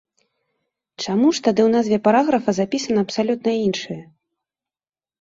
Чаму ж тады ў назве параграфа запісана абсалютна іншае?